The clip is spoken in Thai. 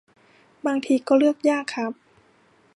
บางทีก็เลือกยากครับ